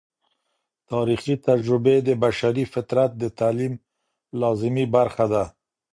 تاریخي تجربې د بشري فطرت د تعلیم لازمي برخه ده.